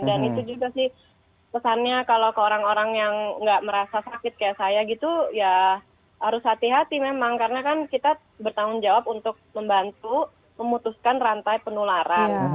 dan itu juga sih pesannya kalau ke orang orang yang nggak merasa sakit kayak saya gitu ya harus hati hati memang karena kan kita bertanggung jawab untuk membantu memutuskan rantai penularan